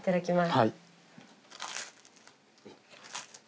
はい。